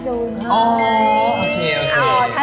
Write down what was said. อ๋อโอเค